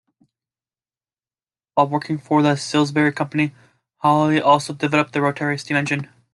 While working for the Silsby Company, Holly also developed the rotary steam engine.